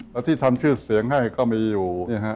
แล้วที่ทำชื่อเสียงให้ก็มีอยู่